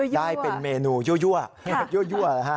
ได้เป็นเมนูยั่ว